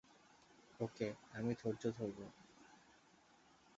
ওকে, আমি ধৈর্য ধরব।